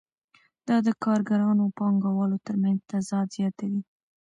دا د کارګرانو او پانګوالو ترمنځ تضاد زیاتوي